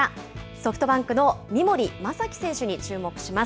ソフトバンクの三森大貴選手に注目します。